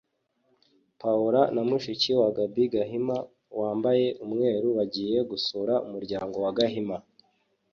Paola na mushiki wa Gaby Gahima (wambaye umweru) bagiye gusura umuryango wa Gahima